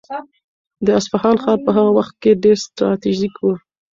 د اصفهان ښار په هغه وخت کې ډېر ستراتیژیک و.